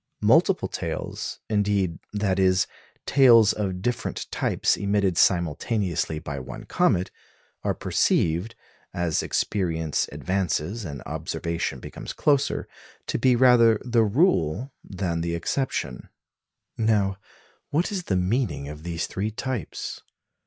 Multiple tails, indeed that is, tails of different types emitted simultaneously by one comet are perceived, as experience advances and observation becomes closer, to be rather the rule than the exception. Now what is the meaning of these three types?